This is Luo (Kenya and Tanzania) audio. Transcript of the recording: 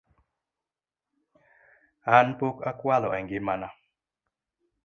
An pok akwalo e ngima na